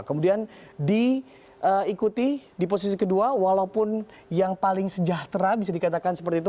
kemudian diikuti di posisi kedua walaupun yang paling sejahtera bisa dikatakan seperti itu